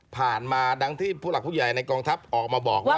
มาดังที่ผู้หลักผู้ใหญ่ในกองทัพออกมาบอกว่า